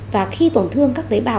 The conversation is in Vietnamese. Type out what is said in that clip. và khi tổn thương các tế bào